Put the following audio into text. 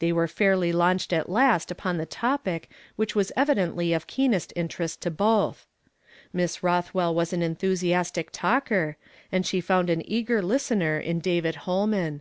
Tbey were fairly laundied at last upou the topig f "I WILL SEEK HIM. »> 143 which was evidently of keenest interest to both. Miss llothwell was an enthusiastic talker, and she found an eager listener in David Ifolnian.